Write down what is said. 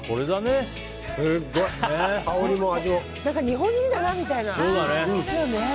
日本人だなみたいな。